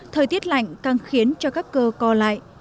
thời tiết lạnh càng khiến cho các cơ co lại